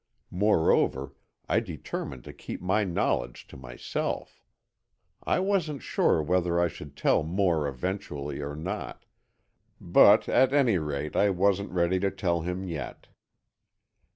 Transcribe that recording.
Moreover, I determined to keep my knowledge to myself. I wasn't sure whether I should tell Moore eventually or not, but at any rate, I wasn't ready to tell him yet.